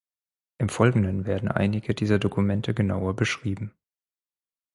Im Folgenden werden einige dieser Dokumente genauer beschrieben: